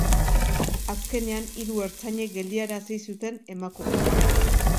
Azkenean, hiru ertzainek geldiarazi zuten emakumea.